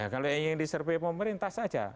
kalau ingin disurvey pemerintah saja